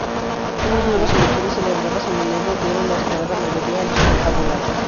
Unas nuevas elecciones celebradas en noviembre dieron la esperada mayoría a los confabulados.